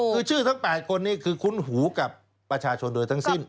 คือชื่อทั้ง๘คนนี้คือคุ้นหูกับประชาชนโดยทั้งสิ้น